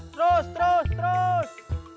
terus terus terus